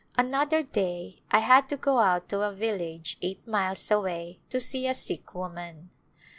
Another day I had to go out to a village eight miles away to see a sick woman.